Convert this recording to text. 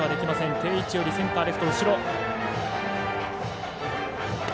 定位置よりセンター、レフト後ろ。